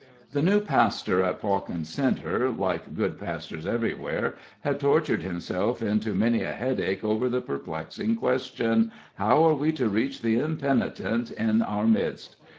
The new pastor at Pawkin Centre, like good pastors everywhere, had tortured himself into many a headache over the perplexing question, "How are we to reach the impenitent in our midst!"